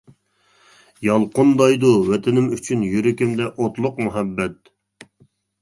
يالقۇنجايدۇ ۋەتىنىم ئۈچۈن، يۈرىكىمدە ئوتلۇق مۇھەببەت.